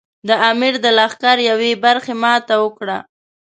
د امیر د لښکر یوې برخې ماته وکړه.